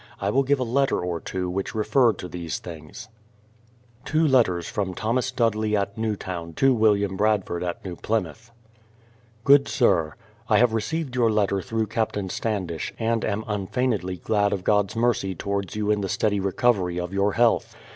I will give a letter or two which refer to these things. 256 BRADFORD'S HISTORY OF Two letters frotn Thomas Dudley at Newtown to William Bradford at New Plymouth: Good Sir, I have received your letter through Captain Standish, and am unfeignedly glad of God's mercy towards you in the steady re covery of your health.